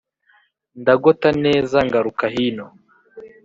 Ndagota neza ngaruka hino,